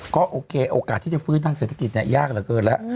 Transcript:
ก็โอเคโอกาสที่จะฟื้นทางเศรษฐกิจยากเหลือเกินแล้ว